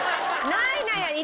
ないない！